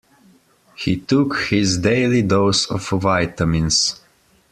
He took his daily dose of vitamins.